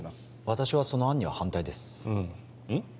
私はその案には反対ですうんうん？